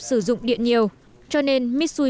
sử dụng điện nhiều cho nên mitsui